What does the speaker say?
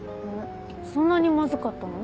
そんなにまずかったの？